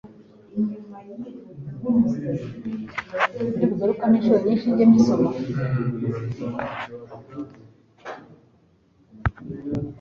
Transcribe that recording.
noneho ijuru ryohereza intumwa ngo imubwire ko amasengesho ye agiye gusubizwa;